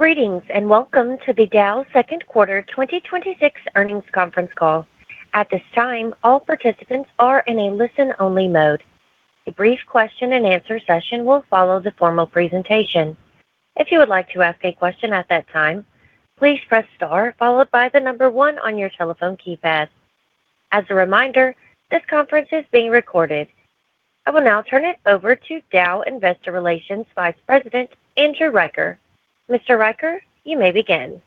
Greetings, and welcome to the Dow second quarter 2026 earnings conference call. At this time, all participants are in a listen-only mode. A brief question and answer session will follow the formal presentation. If you would like to ask a question at that time, please press star followed by the number one on your telephone keypad. As a reminder, this conference is being recorded. I will now turn it over to Dow Investor Relations Vice President, Andrew Riker. Mr. Riker, you may begin.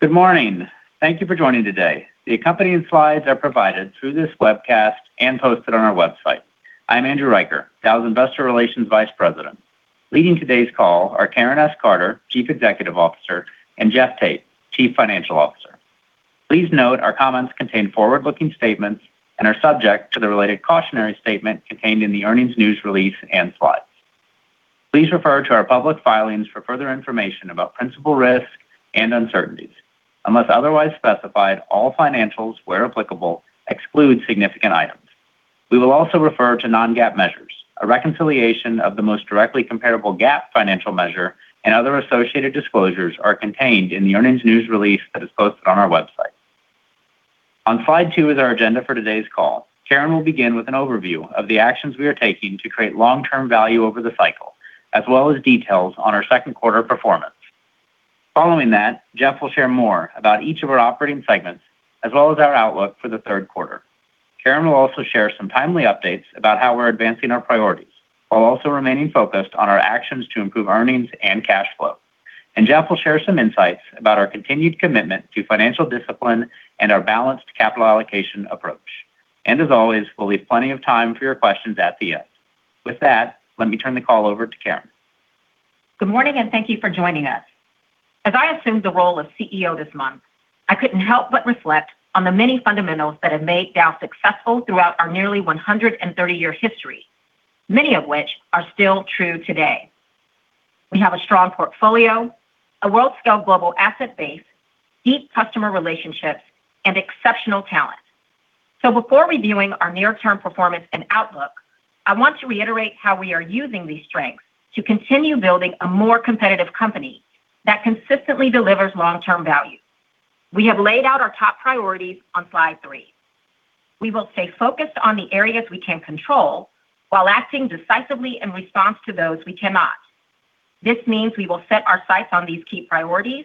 Good morning. Thank you for joining today. The accompanying slides are provided through this webcast and posted on our website. I'm Andrew Riker, Dow's Investor Relations Vice President. Leading today's call are Karen S. Carter, Chief Executive Officer, and Jeff Tate, Chief Financial Officer. Please note, our comments contain forward-looking statements and are subject to the related cautionary statement contained in the earnings news release and slides. Please refer to our public filings for further information about principal risks and uncertainties. Unless otherwise specified, all financials, where applicable, exclude significant items. We will also refer to non-GAAP measures. A reconciliation of the most directly comparable GAAP financial measure and other associated disclosures are contained in the earnings news release that is posted on our website. On slide two is our agenda for today's call. Karen will begin with an overview of the actions we are taking to create long-term value over the cycle, as well as details on our second quarter performance. Following that, Jeff will share more about each of our operating segments as well as our outlook for the third quarter. Karen will also share some timely updates about how we're advancing our priorities while also remaining focused on our actions to improve earnings and cash flow. Jeff will share some insights about our continued commitment to financial discipline and our balanced capital allocation approach. As always, we'll leave plenty of time for your questions at the end. With that, let me turn the call over to Karen. Good morning, and thank you for joining us. As I assumed the role of CEO this month, I couldn't help but reflect on the many fundamentals that have made Dow successful throughout our nearly 130-year history, many of which are still true today. We have a strong portfolio, a world-scale global asset base, deep customer relationships, and exceptional talent. Before reviewing our near-term performance and outlook, I want to reiterate how we are using these strengths to continue building a more competitive company that consistently delivers long-term value. We have laid out our top priorities on slide three. We will stay focused on the areas we can control while acting decisively in response to those we cannot. This means we will set our sights on these key priorities,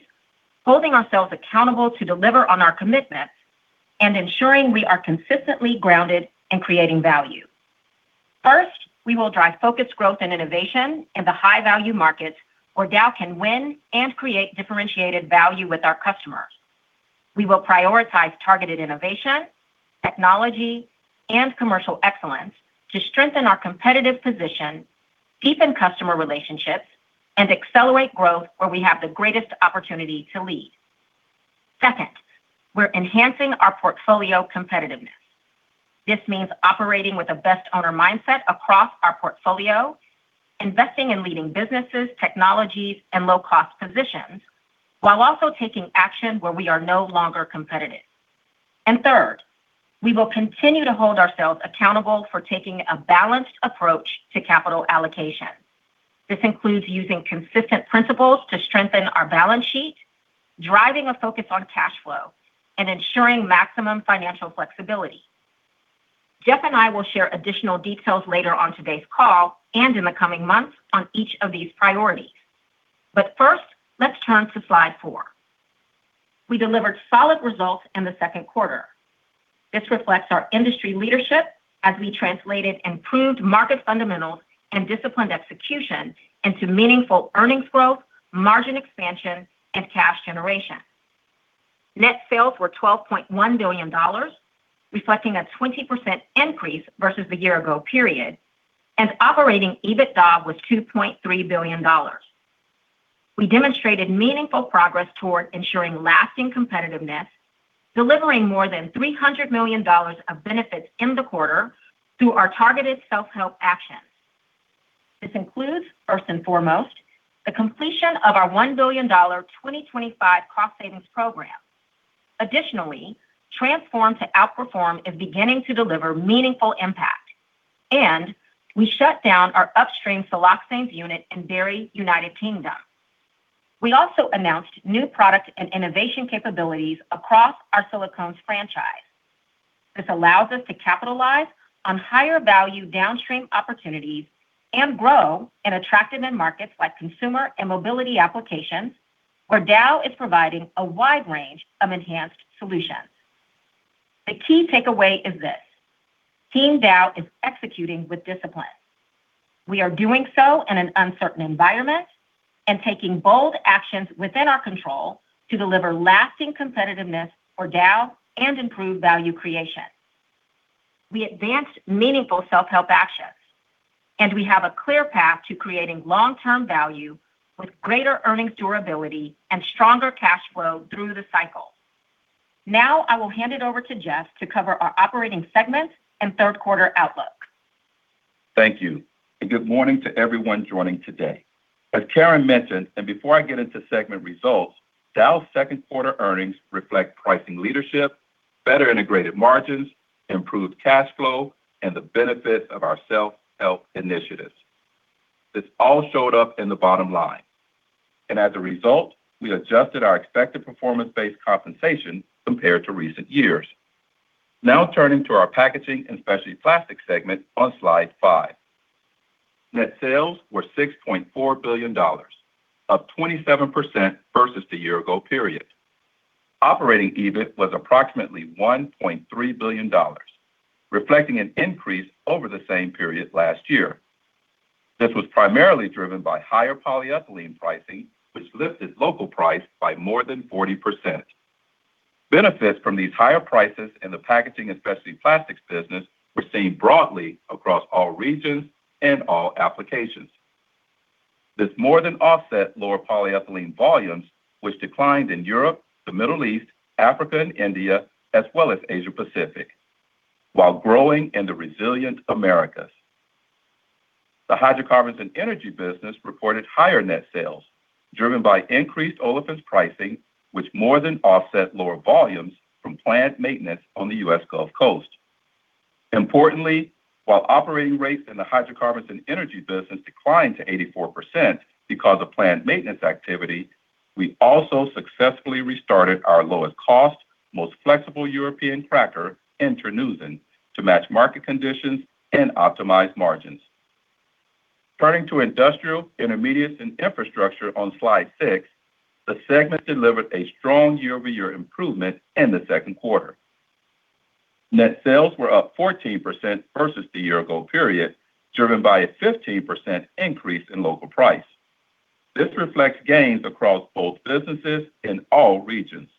holding ourselves accountable to deliver on our commitments and ensuring we are consistently grounded and creating value. First, we will drive focused growth and innovation in the high-value markets where Dow can win and create differentiated value with our customers. We will prioritize targeted innovation, technology, and commercial excellence to strengthen our competitive position, deepen customer relationships, and accelerate growth where we have the greatest opportunity to lead. Second, we're enhancing our portfolio competitiveness. This means operating with a best owner mindset across our portfolio, investing in leading businesses, technologies, and low-cost positions, while also taking action where we are no longer competitive. Third, we will continue to hold ourselves accountable for taking a balanced approach to capital allocation. This includes using consistent principles to strengthen our balance sheet, driving a focus on cash flow, and ensuring maximum financial flexibility. Jeff and I will share additional details later on today's call and in the coming months on each of these priorities. First, let's turn to slide four. We delivered solid results in the second quarter. This reflects our industry leadership as we translated improved market fundamentals and disciplined execution into meaningful earnings growth, margin expansion, and cash generation. Net sales were $12.1 billion, reflecting a 20% increase versus the year ago period, and operating EBITDA was $2.3 billion. We demonstrated meaningful progress toward ensuring lasting competitiveness, delivering more than $300 million of benefits in the quarter through our targeted self-help actions. This includes, first and foremost, the completion of our $1 billion 2025 cost savings program. Additionally, Transform to Outperform is beginning to deliver meaningful impact, and we shut down our upstream siloxanes unit in Barry, United Kingdom. We also announced new product and innovation capabilities across our silicones franchise. This allows us to capitalize on higher value downstream opportunities and grow in attractive end markets like consumer and mobility applications where Dow is providing a wide range of enhanced solutions. The key takeaway is this: Team Dow is executing with discipline. We are doing so in an uncertain environment and taking bold actions within our control to deliver lasting competitiveness for Dow and improve value creation. We advanced meaningful self-help actions, and we have a clear path to creating long-term value with greater earnings durability and stronger cash flow through the cycle. I will hand it over to Jeff to cover our operating segments and third quarter outlook. Thank you. Good morning to everyone joining today. As Karen mentioned, before I get into segment results, Dow's second quarter earnings reflect pricing leadership, better integrated margins, improved cash flow, and the benefit of our self-help initiatives. This all showed up in the bottom line. As a result, we adjusted our expected performance-based compensation compared to recent years. Turning to our Packaging & Specialty Plastics segment on slide five. Net sales were $6.4 billion, up 27% versus the year ago period. Operating EBIT was approximately $1.3 billion, reflecting an increase over the same period last year. This was primarily driven by higher polyethylene pricing, which lifted local price by more than 40%. Benefits from these higher prices in the Packaging & Specialty Plastics business were seen broadly across all regions and all applications. This more than offset lower polyethylene volumes, which declined in Europe, the Middle East, Africa, and India, as well as Asia Pacific, while growing in the resilient Americas. The Hydrocarbons & Energy business reported higher net sales, driven by increased olefins pricing, which more than offset lower volumes from plant maintenance on the U.S. Gulf Coast. Importantly, while operating rates in the Hydrocarbons & Energy business declined to 84% because of planned maintenance activity, we also successfully restarted our lowest cost, most flexible European cracker, Terneuzen, to match market conditions and optimize margins. Turning to Industrial Intermediates & Infrastructure on slide six, the segment delivered a strong year-over-year improvement in the second quarter. Net sales were up 14% versus the year ago period, driven by a 15% increase in local price. This reflects gains across both businesses in all regions.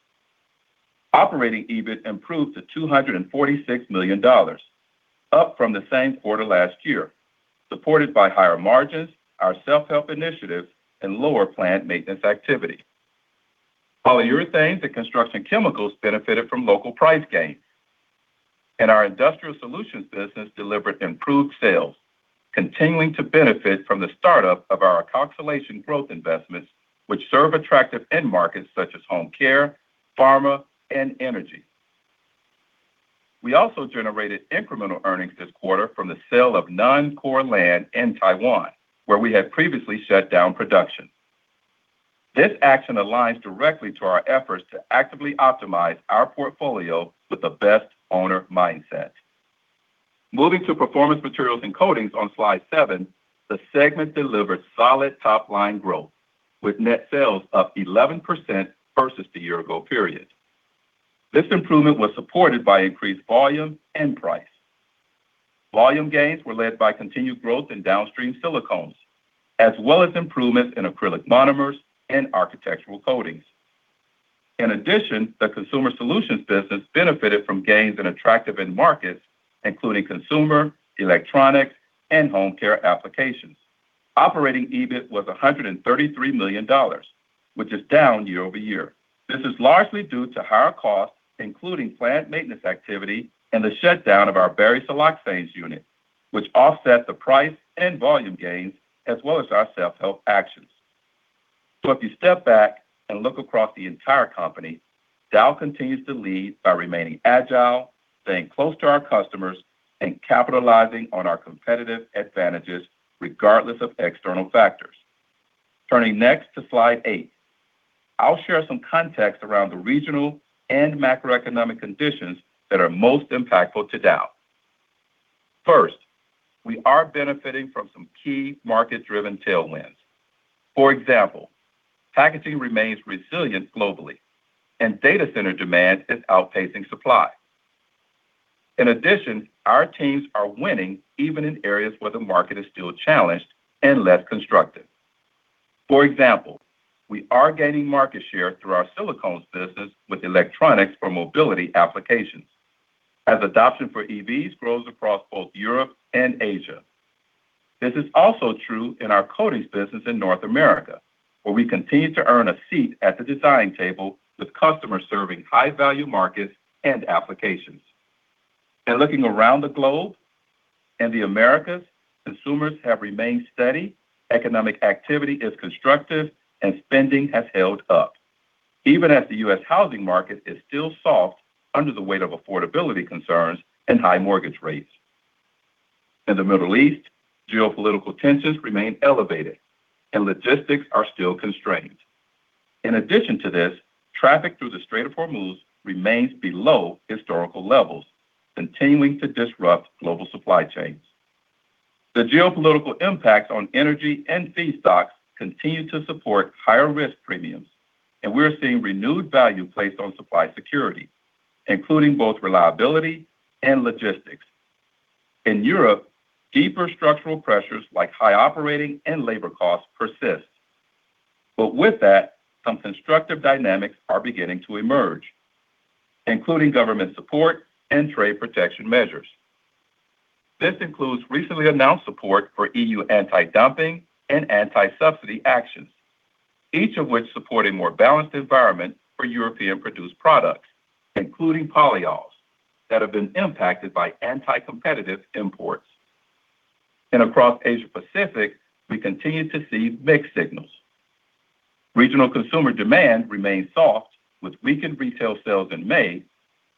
Operating EBIT improved to $246 million, up from the same quarter last year, supported by higher margins, our self-help initiative, and lower plant maintenance activity. Polyurethanes & Construction Chemicals benefited from local price gains. Our Industrial Solutions business delivered improved sales, continuing to benefit from the startup of our alkoxylation growth investments, which serve attractive end markets such as home care, pharma, and energy. We also generated incremental earnings this quarter from the sale of non-core land in Taiwan, where we had previously shut down production. This action aligns directly to our efforts to actively optimize our portfolio with the best owner mindset. Moving to Performance Materials & Coatings on slide seven, the segment delivered solid top-line growth, with net sales up 11% versus the year ago period. This improvement was supported by increased volume and price. Volume gains were led by continued growth in downstream silicones, as well as improvements in acrylic monomers and architectural coatings. In addition, the Consumer Solutions business benefited from gains in attractive end markets, including consumer, electronics, and home care applications. Operating EBIT was $133 million, which is down year-over-year. This is largely due to higher costs, including plant maintenance activity and the shutdown of our Barry siloxanes unit, which offset the price and volume gains, as well as our self-help actions. If you step back and look across the entire company, Dow continues to lead by remaining agile, staying close to our customers, and capitalizing on our competitive advantages regardless of external factors. Turning next to slide eight. I'll share some context around the regional and macroeconomic conditions that are most impactful to Dow. First, we are benefiting from some key market-driven tailwinds. For example, packaging remains resilient globally, and data center demand is outpacing supply. In addition, our teams are winning even in areas where the market is still challenged and less constructive. For example, we are gaining market share through our silicones business with electronics for mobility applications, as adoption for EVs grows across both Europe and Asia. This is also true in our coatings business in North America, where we continue to earn a seat at the design table with customers serving high-value markets and applications. Looking around the globe, in the Americas, consumers have remained steady, economic activity is constructive, and spending has held up, even as the U.S. housing market is still soft under the weight of affordability concerns and high mortgage rates. In the Middle East, geopolitical tensions remain elevated, and logistics are still constrained. In addition to this, traffic through the Strait of Hormuz remains below historical levels, continuing to disrupt global supply chains. The geopolitical impacts on energy and feedstocks continue to support higher risk premiums, and we're seeing renewed value placed on supply security, including both reliability and logistics. In Europe, deeper structural pressures like high operating and labor costs persist. With that, some constructive dynamics are beginning to emerge, including government support and trade protection measures. This includes recently announced support for EU anti-dumping and anti-subsidy actions. Each of which support a more balanced environment for European produced products, including polyols that have been impacted by anti-competitive imports. Across Asia Pacific, we continue to see mixed signals. Regional consumer demand remains soft with weakened retail sales in May,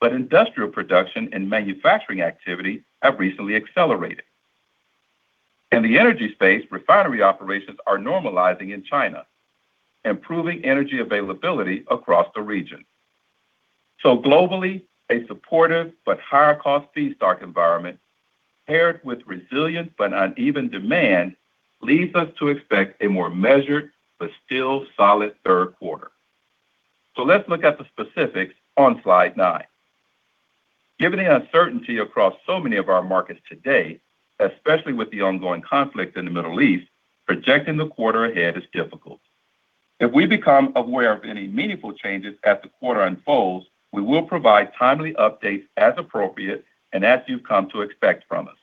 but industrial production and manufacturing activity have recently accelerated. In the energy space, refinery operations are normalizing in China, improving energy availability across the region. Globally, a supportive but higher cost feedstock environment paired with resilient but uneven demand, leads us to expect a more measured but still solid third quarter. Let's look at the specifics on slide nine. Given the uncertainty across so many of our markets today, especially with the ongoing conflict in the Middle East, projecting the quarter ahead is difficult. If we become aware of any meaningful changes as the quarter unfolds, we will provide timely updates as appropriate and as you've come to expect from us.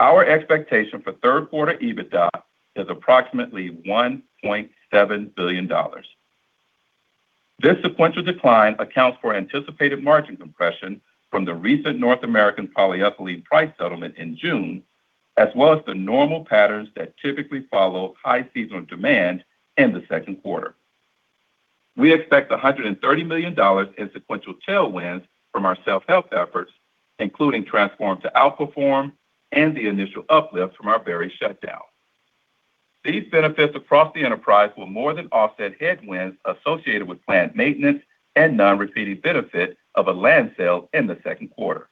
Our expectation for third quarter EBITDA is approximately $1.7 billion. This sequential decline accounts for anticipated margin compression from the recent North American polyethylene price settlement in June, as well as the normal patterns that typically follow high seasonal demand in the second quarter. We expect $130 million in sequential tailwinds from our self-help efforts, including Transform to Outperform and the initial uplift from our Barry shutdown. These benefits across the enterprise will more than offset headwinds associated with plant maintenance and non-repeating benefit of a land sale in the second quarter.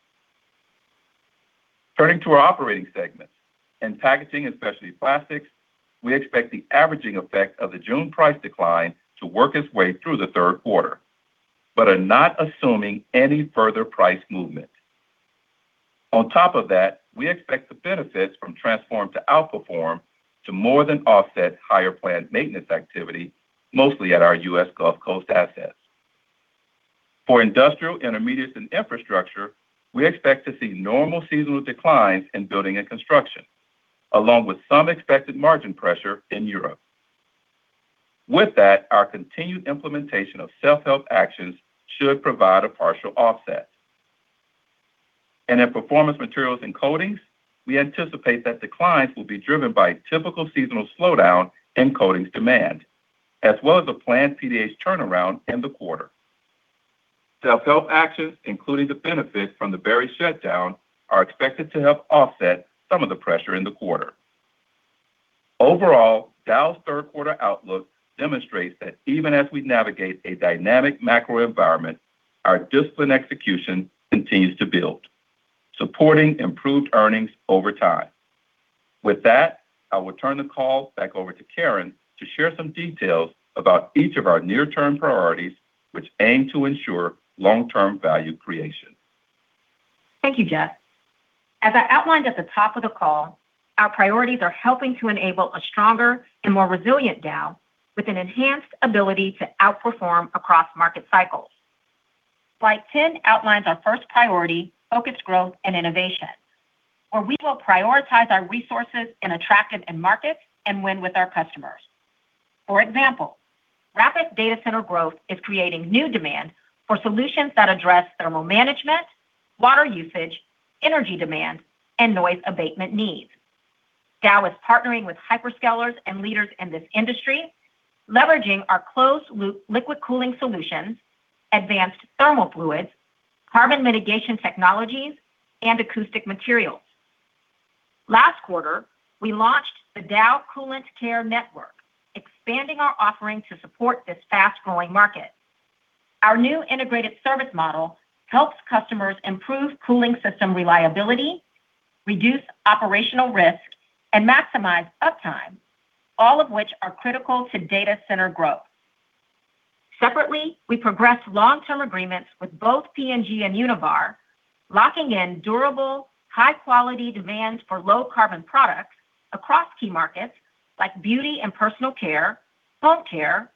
Turning to our operating segments. In Packaging & Specialty Plastics, we expect the averaging effect of the June price decline to work its way through the third quarter, but are not assuming any further price movement. On top of that, we expect the benefits from Transform to Outperform to more than offset higher plant maintenance activity, mostly at our U.S. Gulf Coast assets. For Industrial Intermediates & Infrastructure, we expect to see normal seasonal declines in building and construction, along with some expected margin pressure in Europe. With that, our continued implementation of self-help actions should provide a partial offset. In Performance Materials & Coatings, we anticipate that declines will be driven by typical seasonal slowdown in coatings demand, as well as a planned PO/PG turnaround in the quarter. Self-help actions, including the benefit from the Barry shutdown, are expected to help offset some of the pressure in the quarter. Overall, Dow's third quarter outlook demonstrates that even as we navigate a dynamic macro environment, our disciplined execution continues to build, supporting improved earnings over time. With that, I will turn the call back over to Karen to share some details about each of our near-term priorities, which aim to ensure long-term value creation. Thank you, Jeff. As I outlined at the top of the call, our priorities are helping to enable a stronger and more resilient Dow with an enhanced ability to outperform across market cycles. Slide 10 outlines our first priority, focused growth and innovation, where we will prioritize our resources in attractive end markets and win with our customers. For example, rapid data center growth is creating new demand for solutions that address thermal management, water usage, energy demand, and noise abatement needs. Dow is partnering with hyperscalers and leaders in this industry, leveraging our closed-loop liquid cooling solutions, advanced thermal fluids, carbon mitigation technologies, and acoustic materials. Last quarter, we launched the Dow Coolant Care Network, expanding our offering to support this fast-growing market. Our new integrated service model helps customers improve cooling system reliability, reduce operational risk, and maximize uptime, all of which are critical to data center growth. Separately, we progressed long-term agreements with both P&G and Univar, locking in durable, high-quality demand for low carbon products across key markets like beauty and personal care, home care,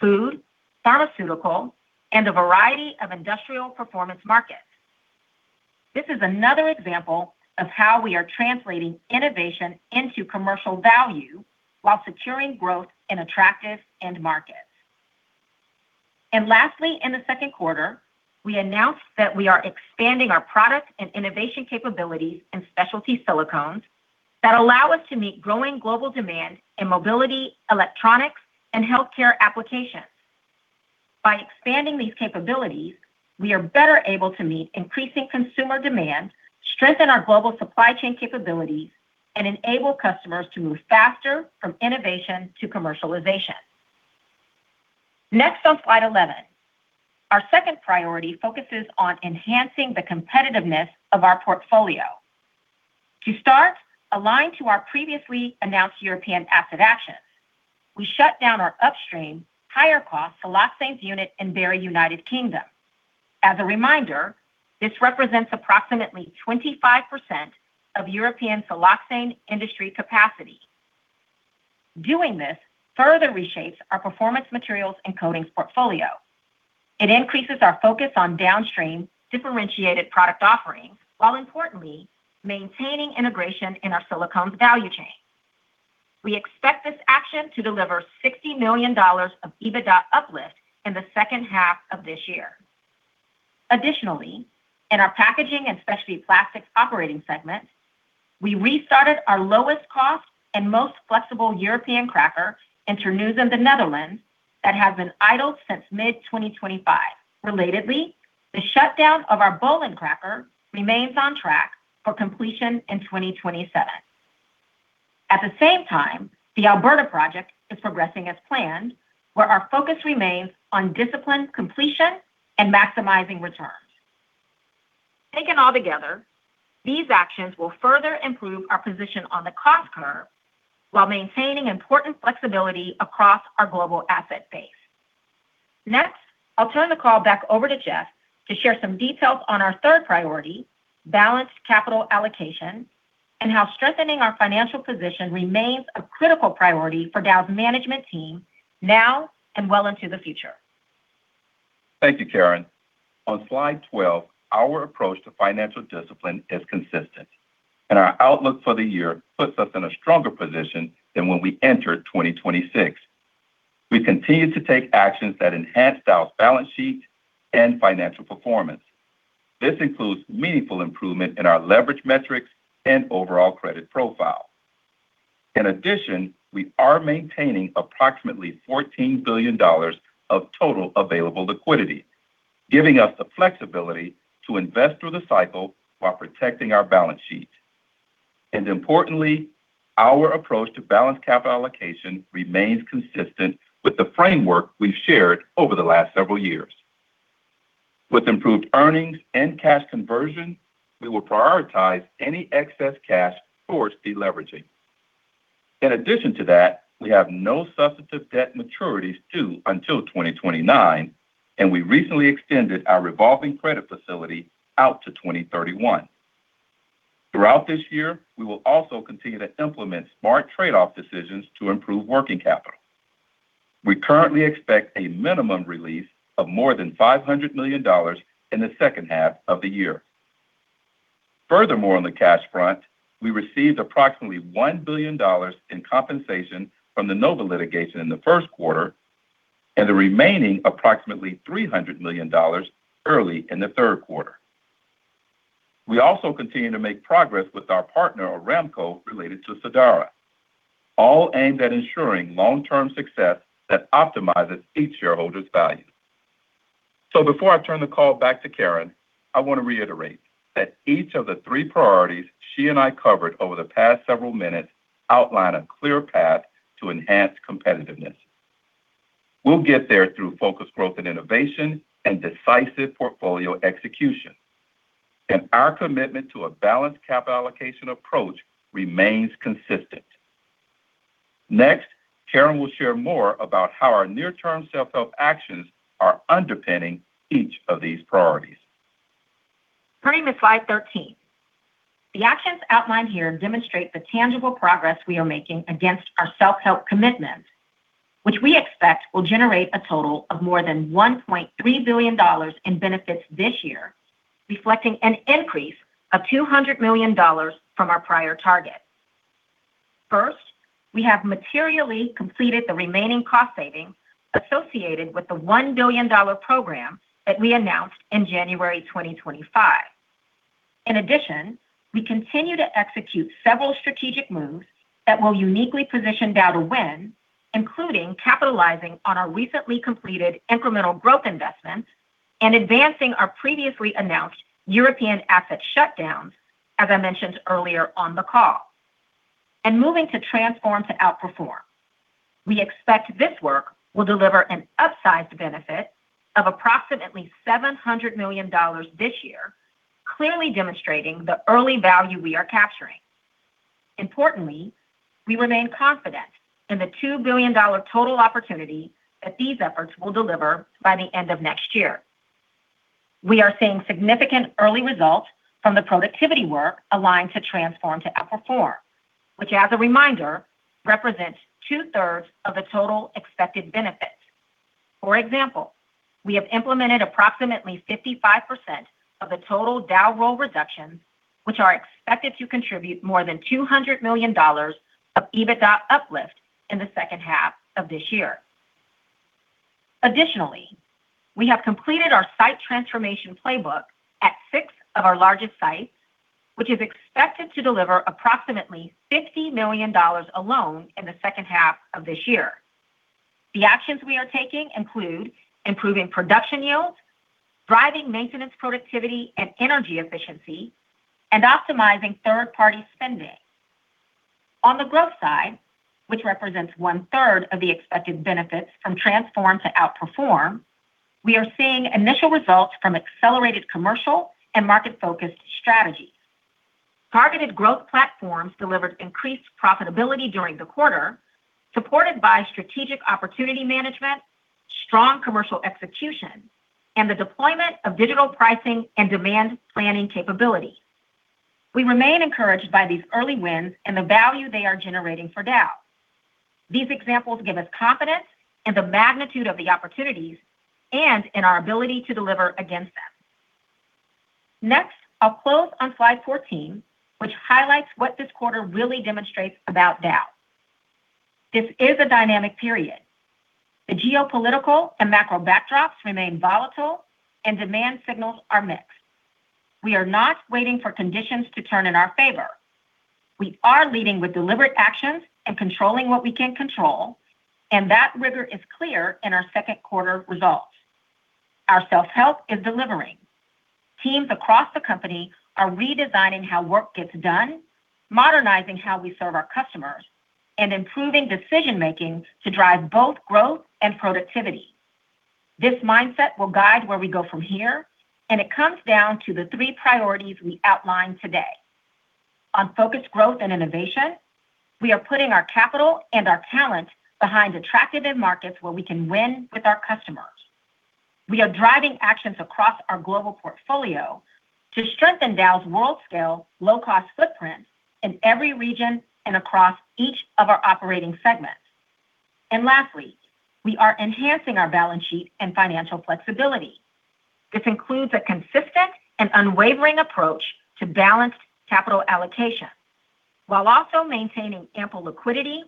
food, pharmaceutical, and a variety of industrial performance markets. This is another example of how we are translating innovation into commercial value while securing growth in attractive end markets. Lastly, in the second quarter, we announced that we are expanding our product and innovation capabilities in specialty silicones that allow us to meet growing global demand in mobility, electronics, and healthcare applications. By expanding these capabilities, we are better able to meet increasing consumer demand, strengthen our global supply chain capabilities, and enable customers to move faster from innovation to commercialization. Next on slide 11, our second priority focuses on enhancing the competitiveness of our portfolio. To start, aligned to our previously announced European asset actions, we shut down our upstream higher cost siloxanes unit in Barry, United Kingdom. As a reminder, this represents approximately 25% of European siloxane industry capacity. Doing this further reshapes our Performance Materials & Coatings portfolio. It increases our focus on downstream differentiated product offerings, while importantly maintaining integration in our silicones value chain. We expect this action to deliver $60 million of EBITDA uplift in the second half of this year. Additionally, in our Packaging & Specialty Plastics operating segment, we restarted our lowest cost and most flexible European cracker, Terneuzen in the Netherlands, that has been idled since mid-2025. Relatedly, the shutdown of our Böhlen cracker remains on track for completion in 2027. At the same time, the Alberta project is progressing as planned, where our focus remains on disciplined completion and maximizing returns. Taken all together, these actions will further improve our position on the cost curve while maintaining important flexibility across our global asset base. Next, I'll turn the call back over to Jeff to share some details on our third priority, balanced capital allocation, and how strengthening our financial position remains a critical priority for Dow's management team now and well into the future. Thank you, Karen. On slide 12, our approach to financial discipline is consistent, and our outlook for the year puts us in a stronger position than when we entered 2026. We continue to take actions that enhance Dow's balance sheet and financial performance. This includes meaningful improvement in our leverage metrics and overall credit profile. In addition, we are maintaining approximately $14 billion of total available liquidity, giving us the flexibility to invest through the cycle while protecting our balance sheet. Importantly, our approach to balanced capital allocation remains consistent with the framework we've shared over the last several years. With improved earnings and cash conversion, we will prioritize any excess cash towards deleveraging. In addition to that, we have no substantive debt maturities due until 2029, and we recently extended our revolving credit facility out to 2031. Throughout this year, we will also continue to implement smart trade-off decisions to improve working capital. We currently expect a minimum release of more than $500 million in the second half of the year. Furthermore, on the cash front, we received approximately $1 billion in compensation from the NOVA litigation in the first quarter and the remaining approximately $300 million early in the third quarter. We also continue to make progress with our partner, Aramco, related to Sadara, all aimed at ensuring long-term success that optimizes each shareholder's value. Before I turn the call back to Karen, I want to reiterate that each of the three priorities she and I covered over the past several minutes outline a clear path to enhance competitiveness. We'll get there through focused growth and innovation and decisive portfolio execution. Our commitment to a balanced capital allocation approach remains consistent. Next, Karen will share more about how our near-term self-help actions are underpinning each of these priorities. Turning to slide 13. The actions outlined here demonstrate the tangible progress we are making against our self-help commitments, which we expect will generate a total of more than $1.3 billion in benefits this year, reflecting an increase of $200 million from our prior target. First, we have materially completed the remaining cost savings associated with the $1 billion program that we announced in January 2025. In addition, we continue to execute several strategic moves that will uniquely position Dow to win, including capitalizing on our recently completed incremental growth investments and advancing our previously announced European asset shutdowns, as I mentioned earlier on the call. Moving to Transform to Outperform, we expect this work will deliver an upsized benefit of approximately $700 million this year, clearly demonstrating the early value we are capturing. Importantly, we remain confident in the $2 billion total opportunity that these efforts will deliver by the end of next year. We are seeing significant early results from the productivity work aligned to Transform to Outperform, which as a reminder, represents two-thirds of the total expected benefit. For example, we have implemented approximately 55% of the total Dow role reductions, which are expected to contribute more than $200 million of EBITDA uplift in the second half of this year. Additionally, we have completed our site transformation playbook at six of our largest sites, which is expected to deliver approximately $50 million alone in the second half of this year. The actions we are taking include improving production yields, driving maintenance productivity and energy efficiency, and optimizing third-party spending. On the growth side, which represents one-third of the expected benefits from Transform to Outperform, we are seeing initial results from accelerated commercial and market-focused strategies. Targeted growth platforms delivered increased profitability during the quarter, supported by strategic opportunity management, strong commercial execution, and the deployment of digital pricing and demand planning capabilities. We remain encouraged by these early wins and the value they are generating for Dow. These examples give us confidence in the magnitude of the opportunities and in our ability to deliver against them. I'll close on slide 14, which highlights what this quarter really demonstrates about Dow. This is a dynamic period. The geopolitical and macro backdrops remain volatile and demand signals are mixed. We are not waiting for conditions to turn in our favor. We are leading with deliberate actions and controlling what we can control, that rigor is clear in our second quarter results. Our self-help is delivering. Teams across the company are redesigning how work gets done, modernizing how we serve our customers, and improving decision-making to drive both growth and productivity. This mindset will guide where we go from here, and it comes down to the three priorities we outlined today. On focused growth and innovation, we are putting our capital and our talent behind attractive end markets where we can win with our customers. We are driving actions across our global portfolio to strengthen Dow's world-scale, low-cost footprint in every region and across each of our operating segments. Lastly, we are enhancing our balance sheet and financial flexibility. This includes a consistent and unwavering approach to balanced capital allocation, while also maintaining ample liquidity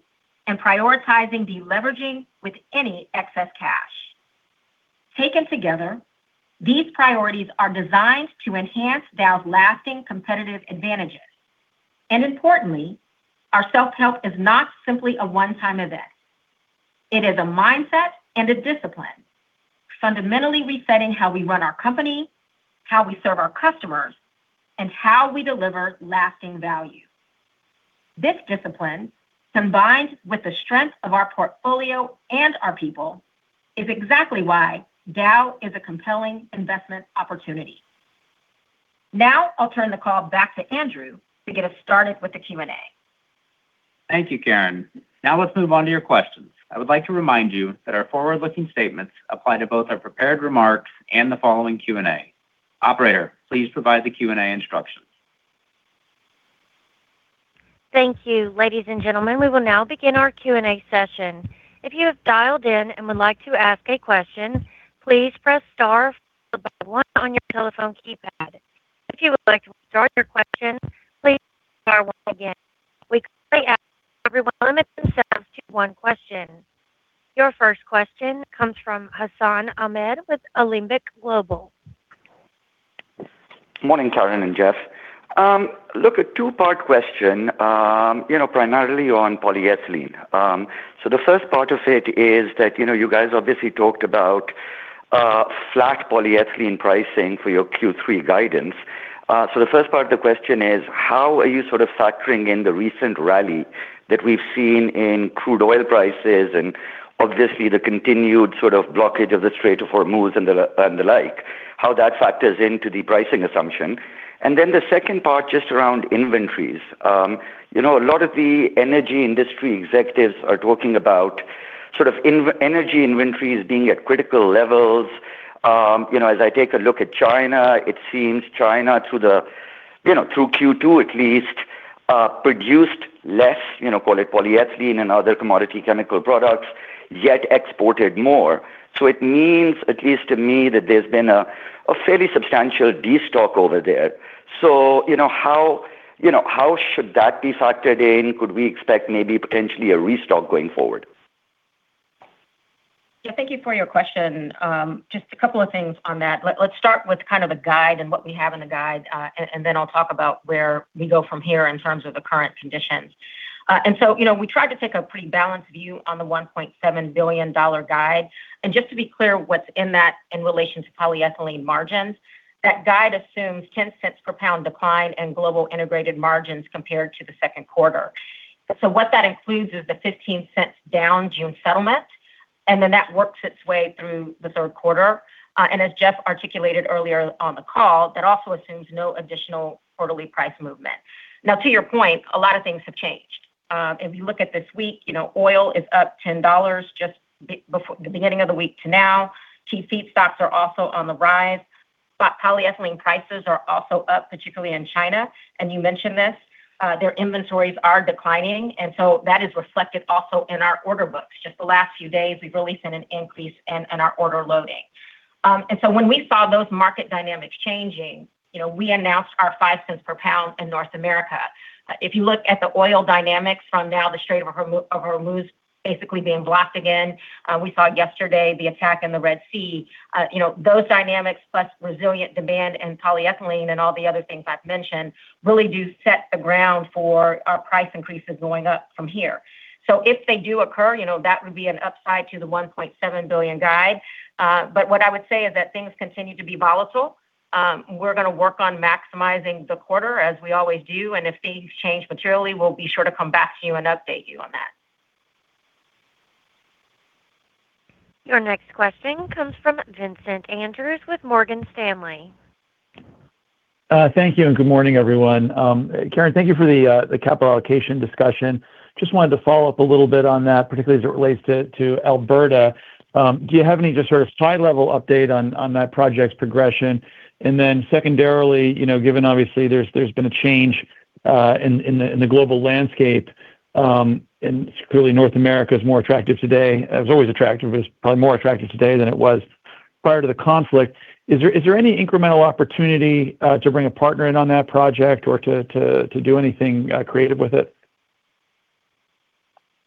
and prioritizing deleveraging with any excess cash. Taken together, these priorities are designed to enhance Dow's lasting competitive advantages. Importantly, our self-help is not simply a one-time event. It is a mindset and a discipline, fundamentally resetting how we run our company, how we serve our customers, and how we deliver lasting value. This discipline, combined with the strength of our portfolio and our people, is exactly why Dow is a compelling investment opportunity. Now, I'll turn the call back to Andrew to get us started with the Q&A. Thank you, Karen. Now let's move on to your questions. I would like to remind you that our forward-looking statements apply to both our prepared remarks and the following Q&A. Operator, please provide the Q&A instructions. Thank you. Ladies and gentlemen, we will now begin our Q&A session. If you have dialed in and would like to ask a question, please press star followed by one on your telephone keypad. If you would like to withdraw your question, please press star one again. We kindly ask everyone limits themselves to one question. Your first question comes from Hassan Ahmed with Alembic Global. Morning, Karen and Jeff. Look, a two-part question, primarily on polyethylene. The first part of it is that, you guys obviously talked about flat polyethylene pricing for your Q3 guidance. The first part of the question is, how are you sort of factoring in the recent rally that we've seen in crude oil prices and obviously the continued sort of blockage of the Strait of Hormuz and the like, how that factors into the pricing assumption. The second part, just around inventories. A lot of the energy industry executives are talking about sort of energy inventories being at critical levels. As I take a look at China, it seems China, through Q2 at least, produced less, call it polyethylene and other commodity chemical products, yet exported more. It means, at least to me, that there's been a fairly substantial destock over there. How should that be factored in? Could we expect maybe potentially a restock going forward? Thank you for your question. Just a couple of things on that. Let's start with kind of a guide and what we have in the guide, then I'll talk about where we go from here in terms of the current conditions. We tried to take a pretty balanced view on the $1.7 billion guide. Just to be clear, what's in that in relation to polyethylene margins, that guide assumes $0.10 per pound decline in global integrated margins compared to the second quarter. What that includes is the $0.15 down June settlement, then that works its way through the third quarter. As Jeff articulated earlier on the call, that also assumes no additional quarterly price movement. To your point, a lot of things have changed. If you look at this week, oil is up $10 just the beginning of the week to now. Key feedstocks are also on the rise, polyethylene prices are also up, particularly in China. You mentioned this, their inventories are declining, that is reflected also in our order books. Just the last few days, we've really seen an increase in our order loading. When we saw those market dynamics changing, we announced our $0.05 per pound in North America. If you look at the oil dynamics from now, the Strait of Hormuz basically being blocked again, we saw yesterday the attack in the Red Sea. Those dynamics plus resilient demand and polyethylene and all the other things I've mentioned really do set the ground for our price increases going up from here. If they do occur, that would be an upside to the $1.7 billion guide. What I would say is that things continue to be volatile. We're going to work on maximizing the quarter as we always do, if things change materially, we'll be sure to come back to you and update you on that. Your next question comes from Vincent Andrews with Morgan Stanley. Thank you, and good morning, everyone. Karen, thank you for the capital allocation discussion. Just wanted to follow up a little bit on that, particularly as it relates to Alberta. Do you have any just sort of high-level update on that project's progression? Secondarily, given obviously there's been a change in the global landscape and clearly North America is more attractive today. It was always attractive, but it's probably more attractive today than it was prior to the conflict. Is there any incremental opportunity to bring a partner in on that project or to do anything creative with it?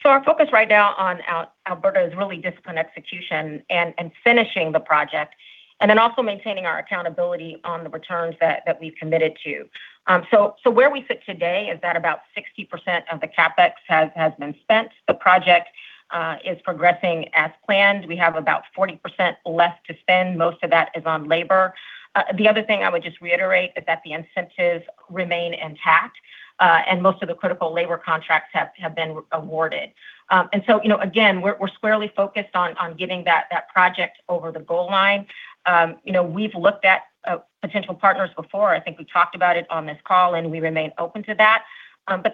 Our focus right now on Alberta is really disciplined execution and finishing the project, also maintaining our accountability on the returns that we've committed to. Where we sit today is that about 60% of the CapEx has been spent. The project is progressing as planned. We have about 40% left to spend. Most of that is on labor. The other thing I would just reiterate is that the incentives remain intact, and most of the critical labor contracts have been awarded. Again, we're squarely focused on getting that project over the goal line. We've looked at potential partners before. I think we talked about it on this call, and we remain open to that.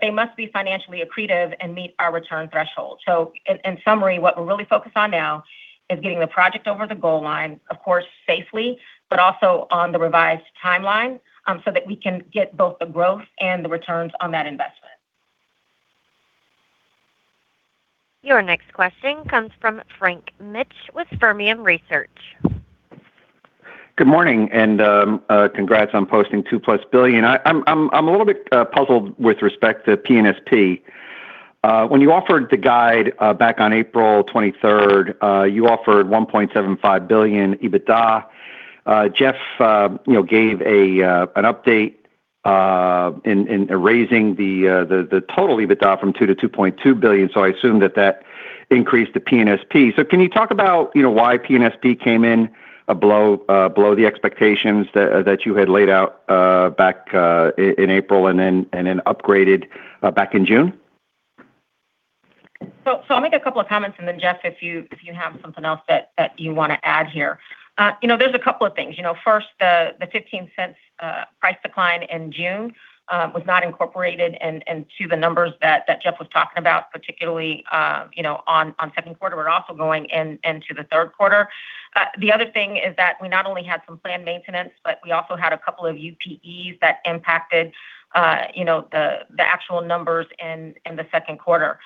They must be financially accretive and meet our return threshold. In summary, what we're really focused on now is getting the project over the goal line, of course, safely, but also on the revised timeline, so that we can get both the growth and the returns on that investment. Your next question comes from Frank Mitsch with Fermium Research. Good morning, congrats on posting $2+ billion. I'm a little bit puzzled with respect to P&SP. When you offered the guide back on April 23rd, you offered $1.75 billion EBITDA. Jeff gave an update in raising the total EBITDA from $2 billion to $2.2 billion, I assume that that increased the P&SP. Can you talk about why P&SP came in below the expectations that you had laid out back in April and then upgraded back in June? I'll make a couple of comments, then Jeff, if you have something else that you want to add here. There's a couple of things. First, the $0.15 price decline in June was not incorporated into the numbers that Jeff was talking about, particularly on second quarter, also going into the third quarter. The other thing is that we not only had some planned maintenance, we also had a couple of UPEs that impacted the actual numbers in the second quarter.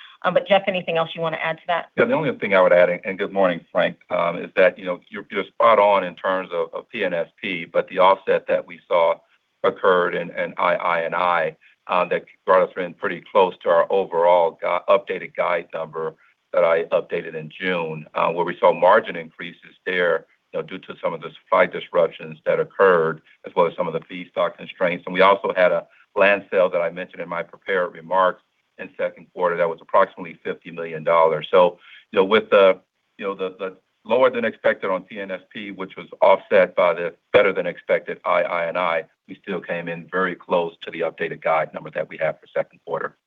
Jeff, anything else you want to add to that? The only thing I would add, and good morning, Frank, is that you're spot on in terms of P&SP, the offset that we saw occurred in II&I that brought us in pretty close to our overall updated guide number that I updated in June, where we saw margin increases there due to some of the supply disruptions that occurred, as well as some of the feedstock constraints. We also had a land sale that I mentioned in my prepared remarks in second quarter that was approximately $50 million. With the lower than expected on P&SP, which was offset by the better than expected II&I, we still came in very close to the updated guide number that we have for second quarter.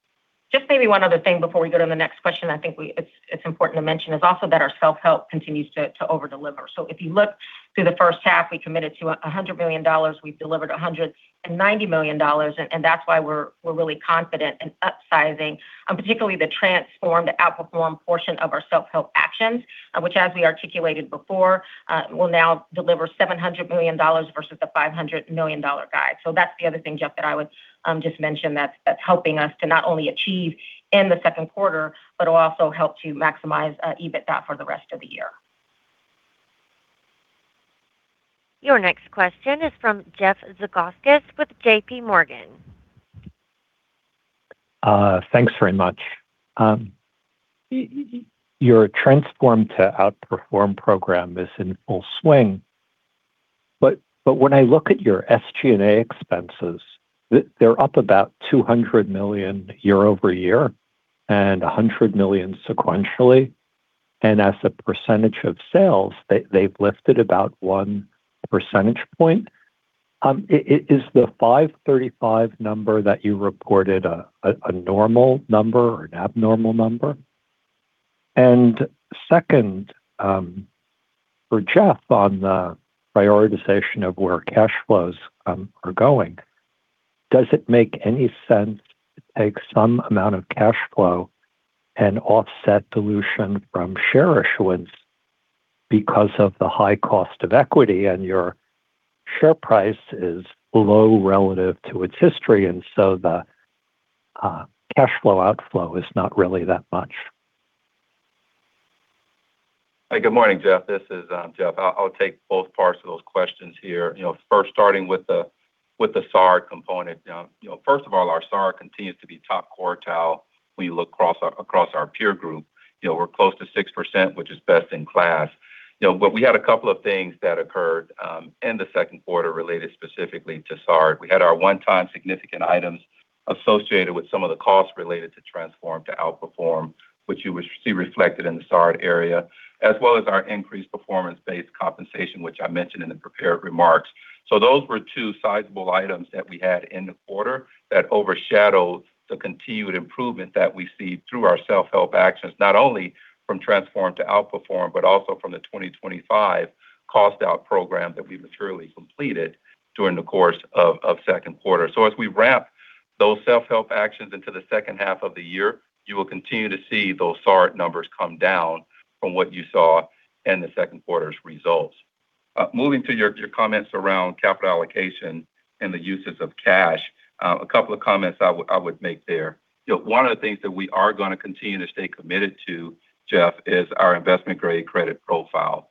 Just maybe one other thing before we go to the next question I think it's important to mention is also that our self-help continues to over-deliver. If you look through the first half, we committed to $100 million. We've delivered $190 million, that's why we're really confident in upsizing, particularly the Transform to Outperform portion of our self-help actions, which, as we articulated before, will now deliver $700 million versus the $500 million guide. That's the other thing, Jeff, that I would just mention that's helping us to not only achieve in the second quarter, will also help to maximize EBITDA for the rest of the year. Your next question is from Jeff Zekauskas with J.P. Morgan. Thanks very much. Your Transform to Outperform program is in full swing. When I look at your SG&A expenses, they're up about $200 million year-over-year and $100 million sequentially. As a percentage of sales, they've lifted about 1 percentage point. Is the $535 number that you reported a normal number or an abnormal number? Second, for Jeff on the prioritization of where cash flows are going, does it make any sense to take some amount of cash flow and offset dilution from share issuance because of the high cost of equity and your share price is low relative to its history, so the cash flow outflow is not really that much? Good morning, Jeff. This is Jeff. I'll take both parts of those questions here. First starting with the SG&A component. First of all, our SG&A continues to be top quartile when you look across our peer group. We're close to 6%, which is best in class. We had a couple of things that occurred in the second quarter related specifically to SG&A. We had our one-time significant items associated with some of the costs related to Transform to Outperform, which you would see reflected in the SG&A area, as well as our increased performance-based compensation, which I mentioned in the prepared remarks. Those were two sizable items that we had in the quarter that overshadowed the continued improvement that we see through our self-help actions, not only from Transform to Outperform, but also from the 2025 cost-out program that we materially completed during the course of second quarter. As we ramp those self-help actions into the second half of the year, you will continue to see those SG&A numbers come down from what you saw in the second quarter's results. Moving to your comments around capital allocation and the uses of cash, a couple of comments I would make there. One of the things that we are going to continue to stay committed to, Jeff, is our investment-grade credit profile.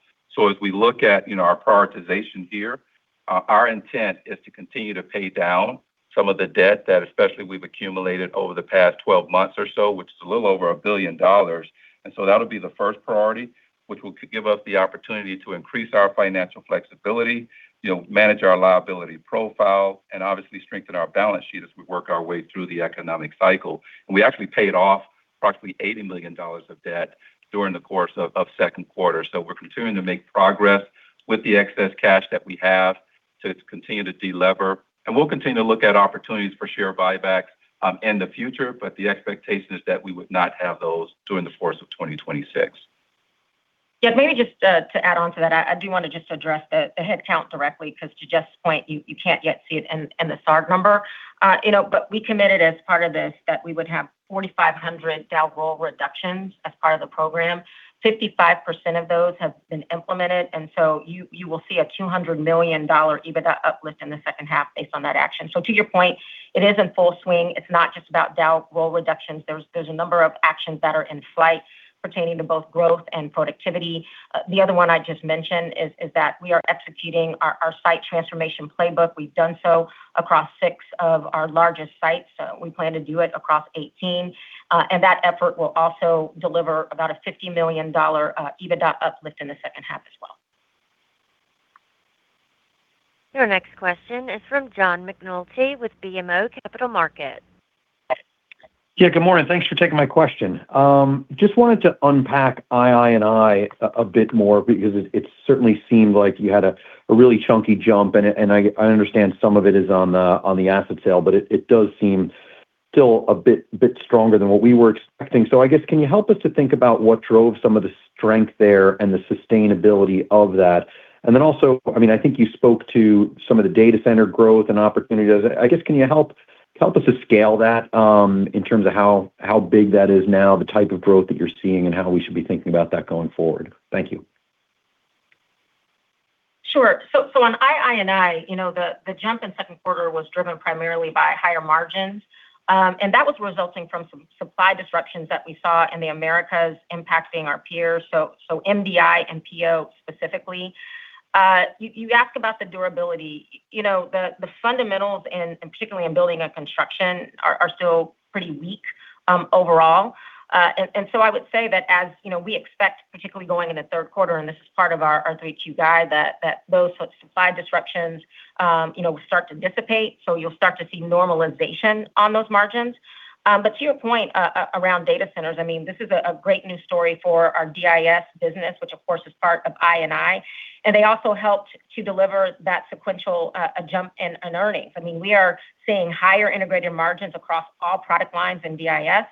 As we look at our prioritization here, our intent is to continue to pay down some of the debt that especially we've accumulated over the past 12 months or so, which is a little over $1 billion. That'll be the first priority, which will give us the opportunity to increase our financial flexibility, manage our liability profile, and obviously strengthen our balance sheet as we work our way through the economic cycle. We actually paid off approximately $80 million of debt during the course of second quarter. We're continuing to make progress with the excess cash that we have to continue to de-lever. We'll continue to look at opportunities for share buyback in the future, but the expectation is that we would not have those during the course of 2026. Maybe just to add on to that, I do want to just address the headcount directly, because to Jeff's point, you can't yet see it in the SG&A number. We committed as part of this that we would have 4,500 Dow role reductions as part of the program. 55% of those have been implemented, you will see a $200 million EBITDA uplift in the second half based on that action. To your point, it is in full swing. It's not just about Dow role reductions. There's a number of actions that are in flight pertaining to both growth and productivity. The other one I just mentioned is that we are executing our site transformation playbook. We've done so across six of our largest sites. We plan to do it across 18. That effort will also deliver about a $50 million EBITDA uplift in the second half as well. Your next question is from John McNulty with BMO Capital Markets. Good morning. Thanks for taking my question. I just wanted to unpack II&I a bit more because it certainly seemed like you had a really chunky jump, and I understand some of it is on the asset sale, but it does seem still a bit stronger than what we were expecting. Can you help us to think about what drove some of the strength there and the sustainability of that? Also, I think you spoke to some of the data center growth and opportunities. Can you help us to scale that in terms of how big that is now, the type of growth that you're seeing and how we should be thinking about that going forward? Thank you. Sure. On II&I, the jump in second quarter was driven primarily by higher margins. That was resulting from some supply disruptions that we saw in the Americas impacting our peers, MDI and PO specifically. You ask about the durability. The fundamentals, and particularly in building and construction, are still pretty weak overall. I would say that as we expect, particularly going into third quarter, and this is part of our 3Q guide, that those sort of supply disruptions will start to dissipate. You'll start to see normalization on those margins. To your point around data centers, this is a great news story for our DIS business, which of course is part of II&I. They also helped to deliver that sequential jump in earnings. We are seeing higher integrated margins across all product lines in DIS.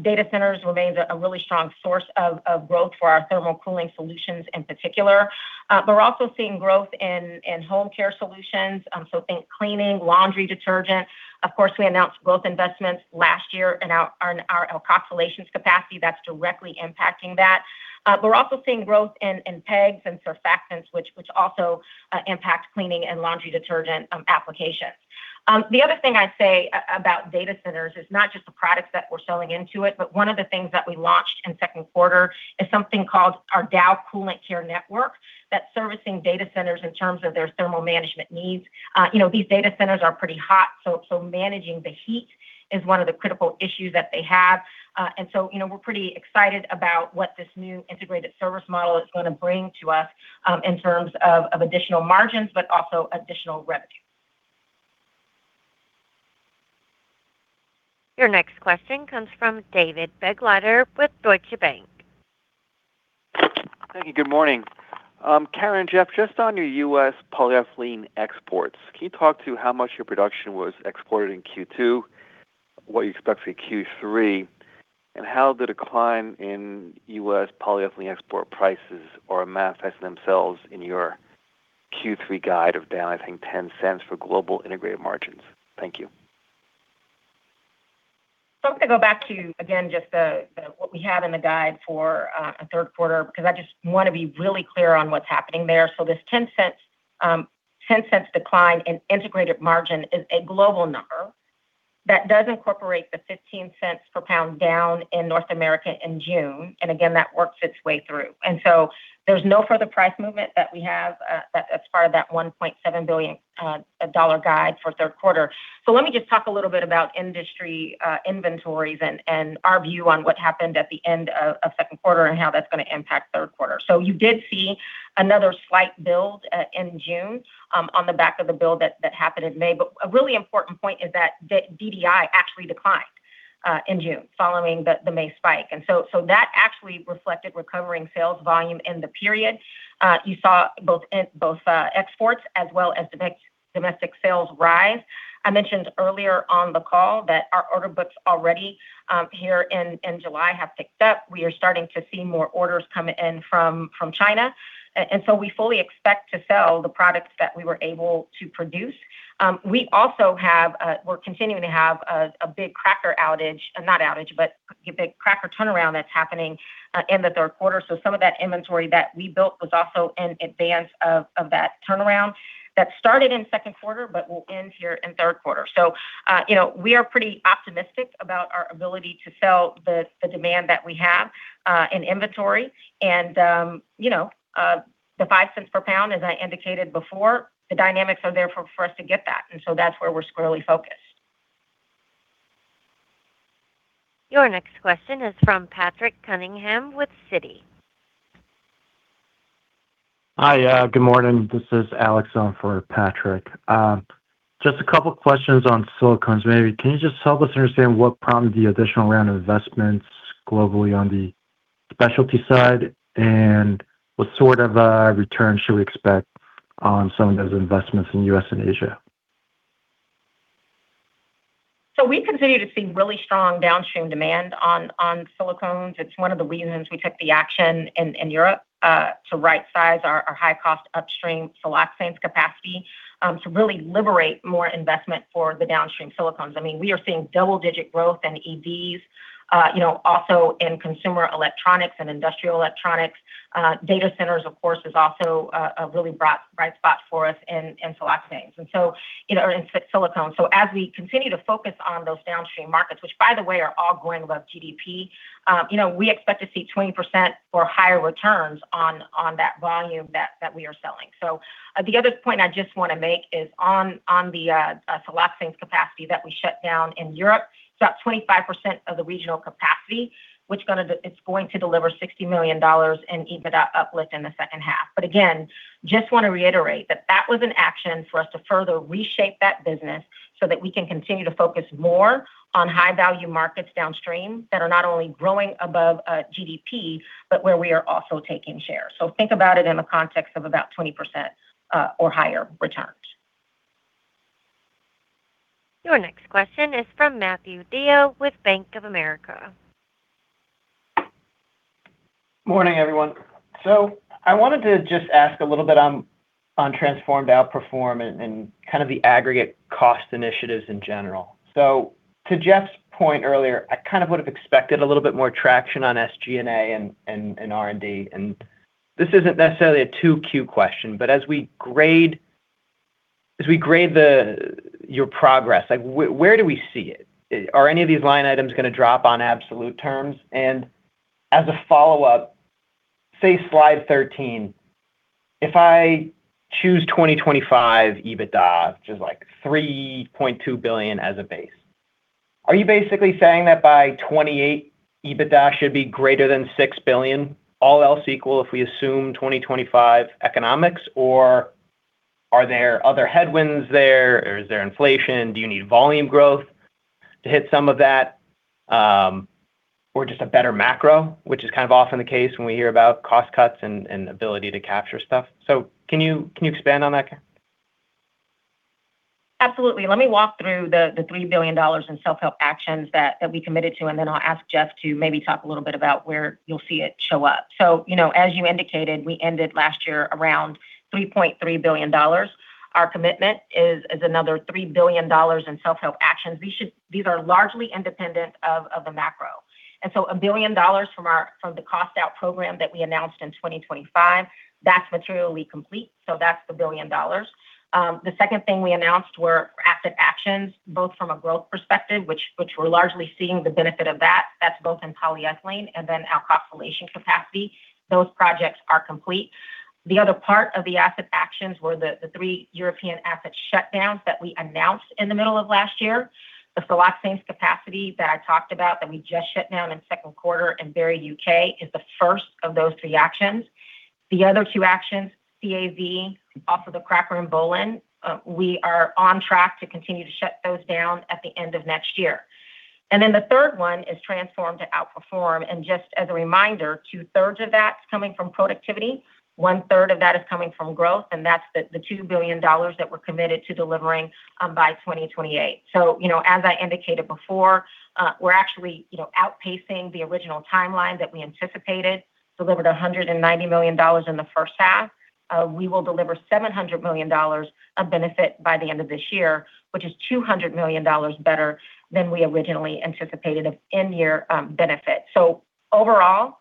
Data centers remain a really strong source of growth for our thermal cooling solutions in particular. We're also seeing growth in home care solutions, think cleaning, laundry detergent. Of course, we announced growth investments last year in our alkoxylation capacity that's directly impacting that. We're also seeing growth in PEGs and surfactants, which also impact cleaning and laundry detergent applications. The other thing I'd say about data centers is not just the products that we're selling into it, but one of the things that we launched in second quarter is something called our Dow Coolant Care Network that's servicing data centers in terms of their thermal management needs. These data centers are pretty hot, managing the heat is one of the critical issues that they have. We're pretty excited about what this new integrated service model is going to bring to us in terms of additional margins, but also additional revenue. Your next question comes from David Begleiter with Deutsche Bank. Thank you. Good morning. Karen, Jeff, just on your U.S. polyethylene exports, can you talk to how much your production was exported in Q2, what you expect for Q3, and how the decline in U.S. polyethylene export prices are manifesting themselves in your Q3 guide of down, I think, $0.10 for global integrated margins? Thank you. I'm going to go back to, again, just what we have in the guide for third quarter, because I just want to be really clear on what's happening there. This $0.10 decline in integrated margin is a global number that does incorporate the $0.15 per pound down in North America in June. Again, that works its way through. There's no further price movement that we have as part of that $1.7 billion guide for third quarter. Let me just talk a little bit about industry inventories and our view on what happened at the end of second quarter and how that's going to impact third quarter. You did see another slight build in June on the back of the build that happened in May. A really important point is that DJI actually declined in June, following the May spike. That actually reflected recovering sales volume in the period. You saw both exports as well as domestic sales rise. I mentioned earlier on the call that our order books already here in July have picked up. We are starting to see more orders come in from China. We fully expect to sell the products that we were able to produce. We're continuing to have a big cracker turnaround that's happening in the third quarter. Some of that inventory that we built was also in advance of that turnaround that started in second quarter but will end here in third quarter. We are pretty optimistic about our ability to sell the demand that we have in inventory. The $0.05 per pound, as I indicated before, the dynamics are there for us to get that. That's where we're squarely focused. Your next question is from Patrick Cunningham with Citi. Hi. Good morning. This is Alex on for Patrick. Just a couple questions on silicones. Maybe can you just help us understand what prompted the additional round of investments globally on the specialty side? What sort of a return should we expect on some of those investments in U.S. and Asia? We continue to see really strong downstream demand on silicones. It's one of the reasons we took the action in Europe, to rightsize our high-cost upstream siloxanes capacity to really liberate more investment for the downstream silicones. We are seeing double-digit growth in EVs, also in consumer electronics and industrial electronics. Data centers, of course, is also a really bright spot for us in silicones. As we continue to focus on those downstream markets, which by the way, are all growing above GDP, we expect to see 20% or higher returns on that volume that we are selling. The other point I just want to make is on the siloxanes capacity that we shut down in Europe. It's about 25% of the regional capacity, which is going to deliver $60 million in EBITDA uplift in the second half. Again, just want to reiterate that that was an action for us to further reshape that business so that we can continue to focus more on high-value markets downstream that are not only growing above GDP, but where we are also taking share. Think about it in the context of about 20% or higher returns. Your next question is from Matthew DeYoe with Bank of America. Morning, everyone. I wanted to just ask a little bit on Transform to Outperform and kind of the aggregate cost initiatives in general. To Jeff's point earlier, I kind of would have expected a little bit more traction on SG&A and R&D. This isn't necessarily a 2Q question, but as we grade your progress, where do we see it? Are any of these line items going to drop on absolute terms? As a follow-up, say slide 13, if I choose 2025 EBITDA, which is like $3.2 billion as a base, are you basically saying that by 2028, EBITDA should be greater than $6 billion, all else equal if we assume 2025 economics? Are there other headwinds there, or is there inflation? Do you need volume growth to hit some of that? Just a better macro, which is kind of often the case when we hear about cost cuts and ability to capture stuff. Can you expand on that? Absolutely. Let me walk through the $3 billion in self-help actions that we committed to, and then I'll ask Jeff to maybe talk a little bit about where you'll see it show up. As you indicated, we ended last year around $3.3 billion. Our commitment is another $3 billion in self-help actions. These are largely independent of the macro. A billion dollars from the cost-out program that we announced in 2025, that's materially complete. That's the billion dollars. The second thing we announced were asset actions, both from a growth perspective, which we're largely seeing the benefit of that. That's both in polyethylene and then alkoxylation capacity. Those projects are complete. The other part of the asset actions were the three European asset shutdowns that we announced in the middle of last year. The siloxanes capacity that I talked about that we just shut down in second quarter in Barry, U.K., is the first of those three actions. The other two actions, CAV, also the cracker in Böhlen, we are on track to continue to shut those down at the end of next year. The third one is Transform to Outperform. Just as a reminder, two-thirds of that's coming from productivity, one-third of that is coming from growth, and that's the $2 billion that we're committed to delivering by 2028. As I indicated before, we're actually outpacing the original timeline that we anticipated. Delivered $190 million in the first half. We will deliver $700 million of benefit by the end of this year, which is $200 million better than we originally anticipated of end year benefit. Overall,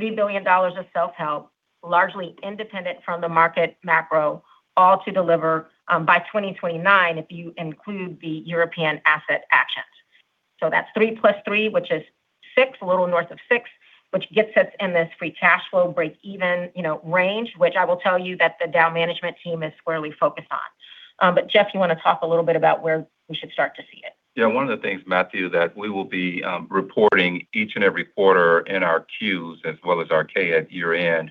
$3 billion of self-help, largely independent from the market macro, all to deliver by 2029 if you include the European asset actions. That's three plus three, which is six, a little north of six, which gets us in this free cash flow breakeven range, which I will tell you that the Dow management team is squarely focused on. Jeff, you want to talk a little bit about where we should start to see it? Yeah. One of the things, Matthew, that we will be reporting each and every quarter in our Qs as well as our K at year-end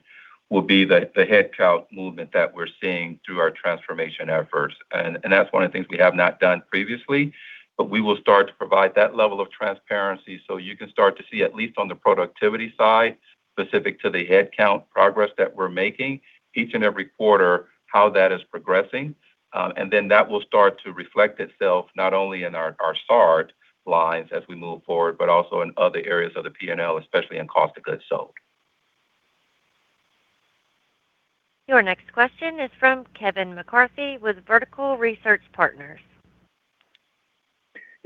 will be the headcount movement that we're seeing through our transformation efforts. That's one of the things we have not done previously, but we will start to provide that level of transparency so you can start to see, at least on the productivity side, specific to the headcount progress that we're making each and every quarter, how that is progressing. That will start to reflect itself not only in our start lines as we move forward, but also in other areas of the P&L, especially in cost of goods sold. Your next question is from Kevin McCarthy with Vertical Research Partners.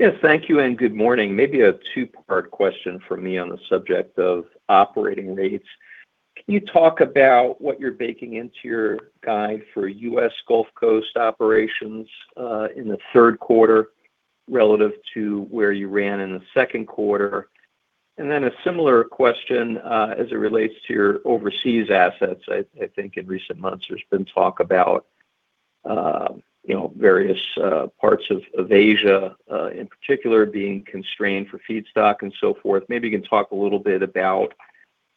Yes. Thank you and good morning. Maybe a two-part question from me on the subject of operating rates. Can you talk about what you're baking into your guide for U.S. Gulf Coast operations in the third quarter relative to where you ran in the second quarter? A similar question as it relates to your overseas assets. I think in recent months there's been talk about various parts of Asia, in particular, being constrained for feedstock and so forth. Maybe you can talk a little bit about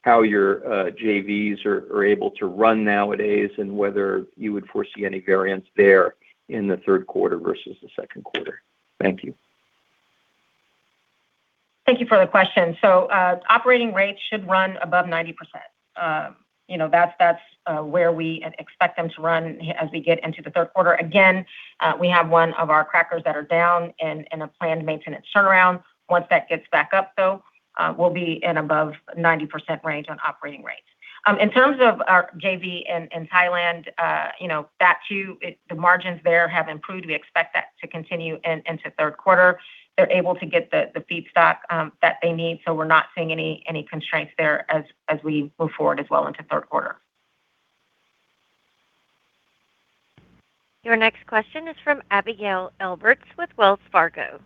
how your JVs are able to run nowadays and whether you would foresee any variance there in the third quarter versus the second quarter. Thank you. Thank you for the question. Operating rates should run above 90%. That's where we expect them to run as we get into the third quarter. Again, we have one of our crackers that are down in a planned maintenance turnaround. Once that gets back up, though, we'll be in above 90% range on operating rates. In terms of our JV in Thailand, the margins there have improved. We expect that to continue into third quarter. They're able to get the feedstock that they need, so we're not seeing any constraints there as we move forward as well into third quarter. Your next question is from Abigail Eberts with Wells Fargo.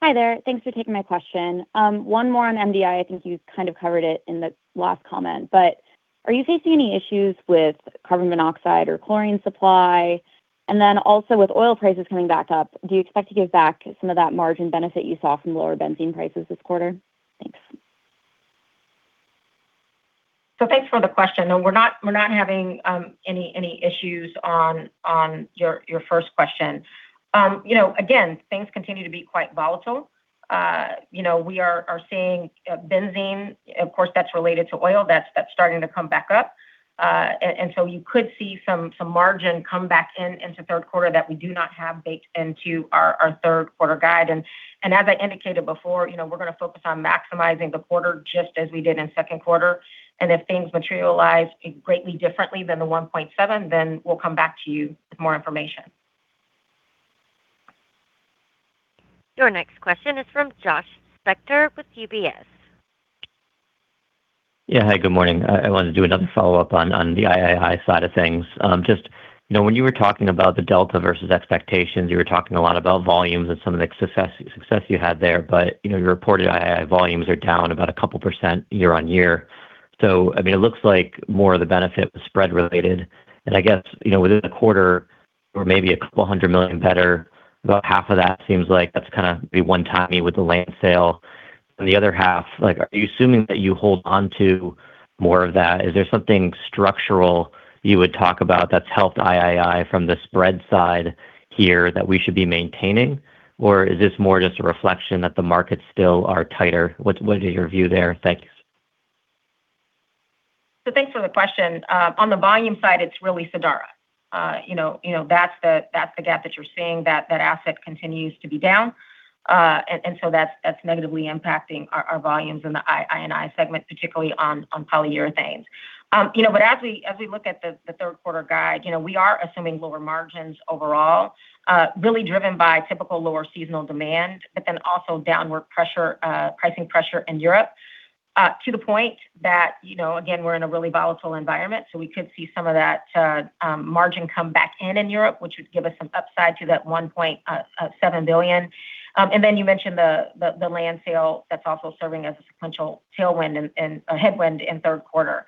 Hi there. Thanks for taking my question. One more on MDI. I think you kind of covered it in the last comment. Are you facing any issues with carbon monoxide or chlorine supply? With oil prices coming back up, do you expect to give back some of that margin benefit you saw from lower benzene prices this quarter? Thanks. Thanks for the question. No, we're not having any issues on your first question. Again, things continue to be quite volatile. We are seeing benzene, of course, that's related to oil that's starting to come back up. You could see some margin come back in into third quarter that we do not have baked into our third quarter guide. As I indicated before, we're going to focus on maximizing the quarter just as we did in second quarter. If things materialize greatly differently than the $1.7 billion, we'll come back to you with more information. Your next question is from Josh Spector with UBS. Yeah. Hi, good morning. I wanted to do another follow-up on the II&I side of things. Just when you were talking about the delta versus expectations, you were talking a lot about volumes and some of the success you had there. Your reported II&I volumes are down about a couple of percent year-on-year. It looks like more of the benefit was spread related. I guess within the quarter or maybe a couple of hundred million better, about half of that seems like that's kind of be one-timey with the land sale. The other half, are you assuming that you hold onto more of that? Is there something structural you would talk about that's helped II&I from the spread side here that we should be maintaining? Is this more just a reflection that the markets still are tighter? What is your view there? Thanks. Thanks for the question. On the volume side, it's really Sadara. That's the gap that you're seeing, that asset continues to be down. That's negatively impacting our volumes in the II&I segment, particularly on Polyurethanes. As we look at the third quarter guide, we are assuming lower margins overall, really driven by typical lower seasonal demand, also downward pricing pressure in Europe to the point that, again, we're in a really volatile environment, we could see some of that margin come back in in Europe, which would give us some upside to that $1.7 billion. You mentioned the land sale that's also serving as a sequential headwind in third quarter.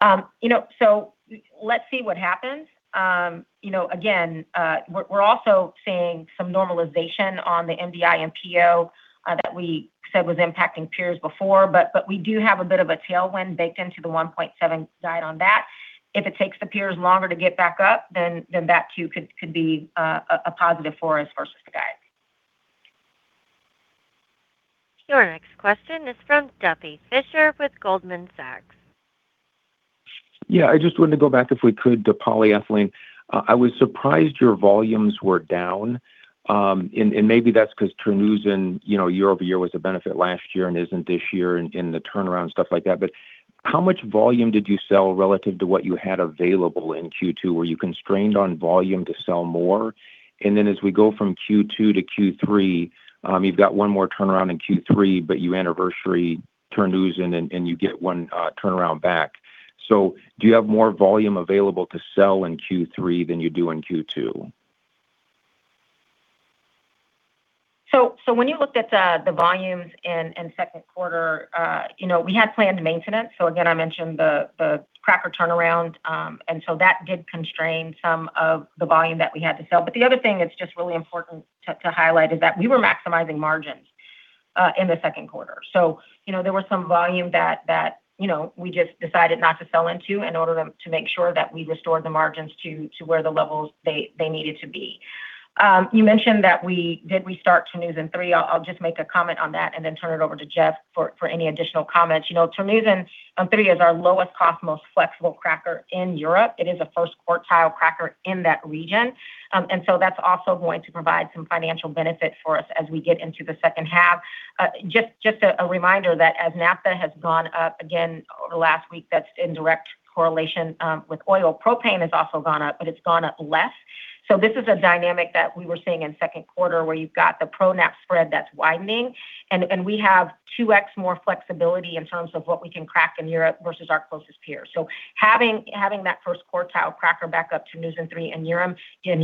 Let's see what happens. Again, we're also seeing some normalization on the MDI and PO that we said was impacting peers before, we do have a bit of a tailwind baked into the $1.7 billion guide on that. If it takes the peers longer to get back up, that too could be a positive for us versus the guide. Your next question is from Duffy Fischer with Goldman Sachs. Yeah. I just wanted to go back, if we could, to polyethylene. I was surprised your volumes were down. Maybe that's because Terneuzen and year-over-year was a benefit last year and isn't this year in the turnaround, stuff like that. How much volume did you sell relative to what you had available in Q2? Were you constrained on volume to sell more? As we go from Q2 to Q3, you've got one more turnaround in Q3, you anniversary Terneuzen and you get one turnaround back. Do you have more volume available to sell in Q3 than you do in Q2? When you looked at the volumes in second quarter, we had planned maintenance. Again, I mentioned the cracker turnaround, that did constrain some of the volume that we had to sell. The other thing that's just really important to highlight is that we were maximizing margins in the second quarter. There was some volume that we just decided not to sell into in order to make sure that we restored the margins to where the levels they needed to be. You mentioned that we did restart Terneuzen 3. I'll just make a comment on that and then turn it over to Jeff for any additional comments. Terneuzen 3 is our lowest cost, most flexible cracker in Europe. It is a first quartile cracker in that region. That's also going to provide some financial benefit for us as we get into the second half. Just a reminder that as naphtha has gone up again over the last week, that's in direct correlation with oil. Propane has also gone up, but it's gone up less. This is a dynamic that we were seeing in second quarter where you've got the pro-nap spread that's widening, and we have 2x more flexibility in terms of what we can crack in Europe versus our closest peer. Having that first quartile cracker back up, Terneuzen 3 in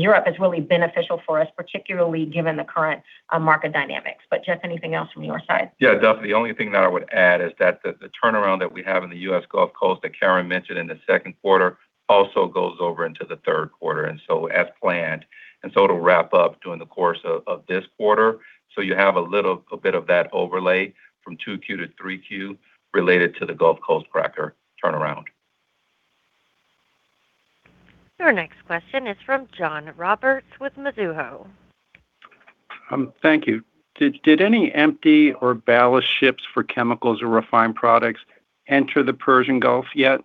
Europe, is really beneficial for us, particularly given the current market dynamics. Jeff, anything else from your side? Yeah, definitely. The only thing that I would add is that the turnaround that we have in the U.S. Gulf Coast that Karen mentioned in the second quarter also goes over into the third quarter, as planned. It'll wrap up during the course of this quarter. You have a little bit of that overlay from 2Q to 3Q related to the Gulf Coast cracker turnaround. Your next question is from John Roberts with Mizuho. Thank you. Did any empty or ballast ships for chemicals or refined products enter the Persian Gulf yet?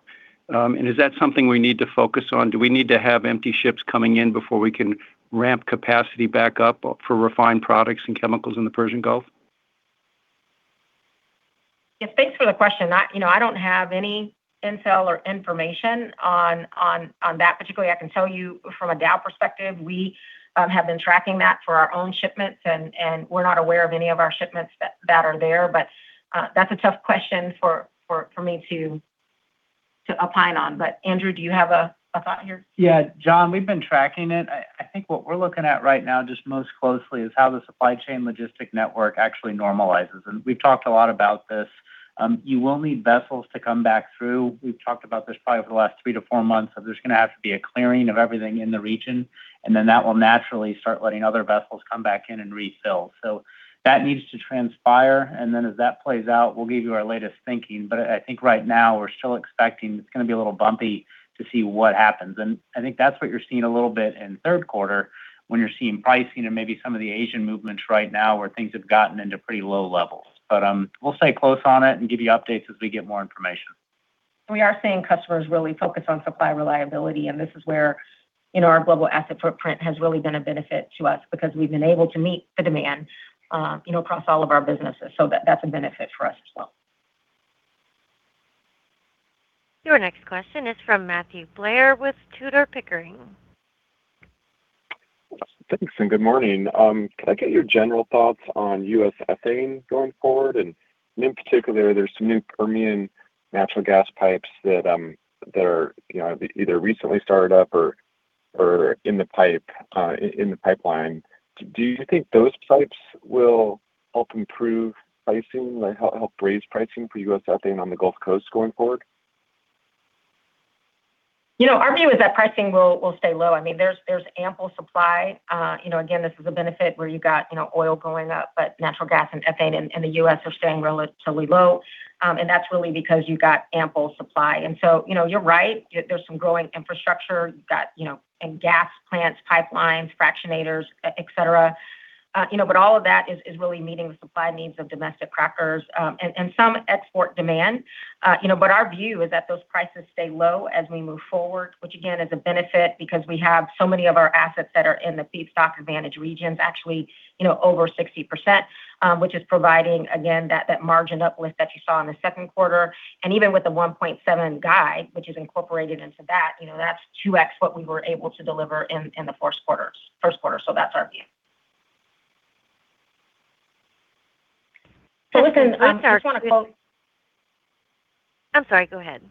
Is that something we need to focus on? Do we need to have empty ships coming in before we can ramp capacity back up for refined products and chemicals in the Persian Gulf? Yes, thanks for the question. I don't have any intel or information on that particularly. I can tell you from a Dow perspective, we have been tracking that for our own shipments, we're not aware of any of our shipments that are there. That's a tough question for me to opine on. Andrew, do you have a thought here? Yeah. John, we've been tracking it. I think what we're looking at right now just most closely is how the supply chain logistic network actually normalizes. We've talked a lot about this. You will need vessels to come back through. We've talked about this probably over the last three to four months, of there's going to have to be a clearing of everything in the region, that will naturally start letting other vessels come back in and refill. That needs to transpire, as that plays out, we'll give you our latest thinking. I think right now we're still expecting it's going to be a little bumpy to see what happens. I think that's what you're seeing a little bit in third quarter when you're seeing pricing and maybe some of the Asian movements right now where things have gotten into pretty low levels. We'll stay close on it and give you updates as we get more information. We are seeing customers really focus on supply reliability. This is where our global asset footprint has really been a benefit to us because we've been able to meet the demand across all of our businesses. That's a benefit for us as well. Your next question is from Matthew Blair with Tudor, Pickering. Thanks. Good morning. Can I get your general thoughts on U.S. ethane going forward? In particular, there's some new Permian natural gas pipes that either recently started up or are in the pipeline. Do you think those pipes will help improve pricing, like help raise pricing for U.S. ethane on the Gulf Coast going forward? Our view is that pricing will stay low. There's ample supply. Again, this is a benefit where you got oil going up, but natural gas and ethane in the U.S. are staying relatively low. That's really because you got ample supply. So, you're right. There's some growing infrastructure, and gas plants, pipelines, fractionators, et cetera. All of that is really meeting the supply needs of domestic crackers and some export demand. Our view is that those prices stay low as we move forward, which again, is a benefit because we have so many of our assets that are in the feedstock advantage regions, actually over 60%, which is providing, again, that margined uplift that you saw in the second quarter. Even with the $1.7 billion guide, which is incorporated into that's 2x what we were able to deliver in the first quarter. That's our view. I'm sorry. Go ahead.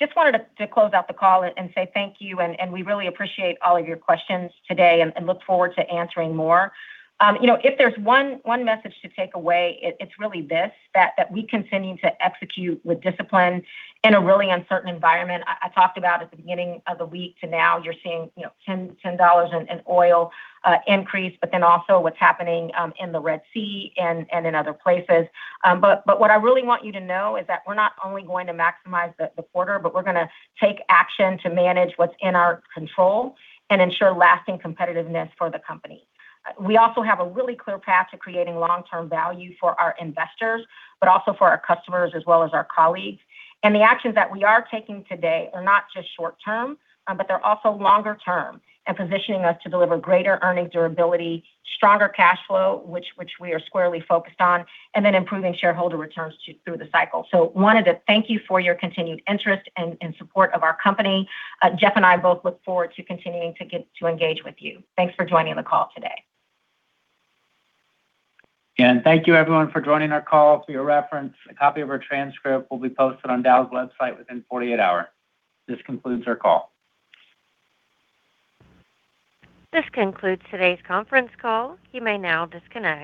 Just wanted to close out the call and say thank you, and we really appreciate all of your questions today and look forward to answering more. If there's one message to take away, it's really this, that we continue to execute with discipline in a really uncertain environment. I talked about at the beginning of the week to now, you're seeing $10 in oil increase, but then also what's happening in the Red Sea and in other places. What I really want you to know is that we're not only going to maximize the quarter, but we're going to take action to manage what's in our control and ensure lasting competitiveness for the company. We also have a really clear path to creating long-term value for our investors, but also for our customers as well as our colleagues. The actions that we are taking today are not just short-term, but they're also longer term and positioning us to deliver greater earning durability, stronger cash flow, which we are squarely focused on, and then improving shareholder returns through the cycle. I wanted to thank you for your continued interest and support of our company. Jeff and I both look forward to continuing to engage with you. Thanks for joining the call today. Thank you everyone for joining our call. For your reference, a copy of our transcript will be posted on Dow's website within 48 hours. This concludes our call. This concludes today's conference call. You may now disconnect.